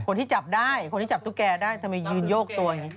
คนที่จับได้คนที่จับตุ๊กแกได้ทำไมยืนโยกตัวอย่างนี้